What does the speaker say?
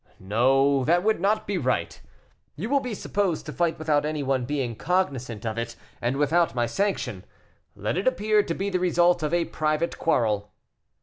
"No, that would not be right; you will be supposed to fight without any one being cognizant of it, and without my sanction. Let it appear to be the result of a private quarrel."